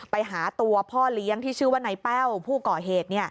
ไปหาตัวพ่อเลี้ยงที่ชื่อว่านายแป้วผู้ก่อเหตุ